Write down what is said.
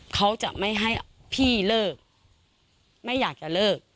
เขาจะไม่ให้พี่เลิกไม่อยากจะเลิก